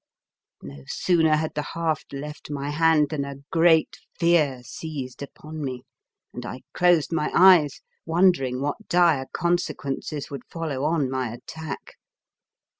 No sooner had the haft left my hand than a great fear seized upon me, and I closed my eyes, wondering what dire consequences would follow on my at tack.